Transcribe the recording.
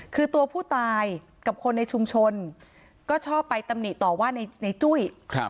คือตัวผู้ตายกับคนในชุมชนก็ชอบไปตำหนิต่อว่าในจุ้ย